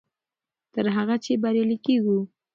تر هغه چې بریالي کېږو.